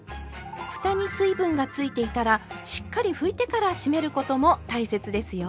ふたに水分がついていたらしっかり拭いてから閉めることも大切ですよ。